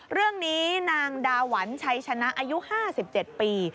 เรื่องนี้นางดาหวันชัยชนะอายุ๕๗ปี